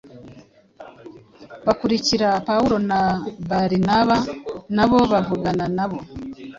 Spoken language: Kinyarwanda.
bakurikira Pawulo na Barinaba; na bo bavugana na bo,